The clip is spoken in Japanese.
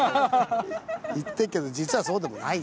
言ってっけど実はそうでもない。